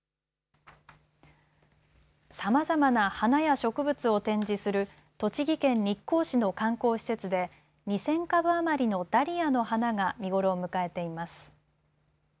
さまざまな花や植物を展示する栃木県日光市の観光施設で２０００株余りのダリアの花が見頃を迎えています。